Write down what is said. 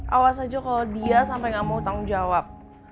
awas aja kalo dia sampe gak mau tanggung jawab